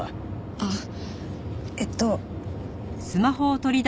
あっえっと。